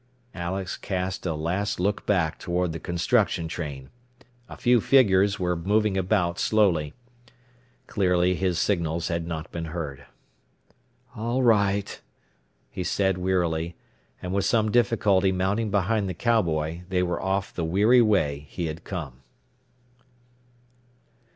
Alex cast a last look back toward the construction train. A few figures were moving about, slowly. Clearly his signals had not been heard. "All right," he said wearily, and with some difficulty mounting behind the cowboy, they were off the weary way he had come.